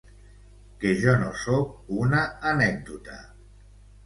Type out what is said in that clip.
que jo no sóc una anècdota